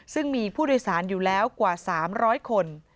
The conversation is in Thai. ซึ่งมีผู้โดยสารอยู่แล้วกว่า๓๐๐คน